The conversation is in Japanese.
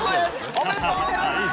おめでとうございます。